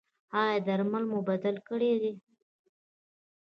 ایا درمل مو بدل کړي دي؟